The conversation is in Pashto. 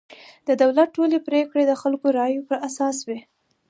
د دولت ټولې پرېکړې د خلکو رایو پر اساس وي.